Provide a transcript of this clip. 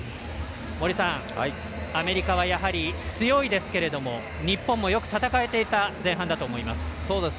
森さん、アメリカはやはり強いですけれども日本もよく戦えていた前半だと思います。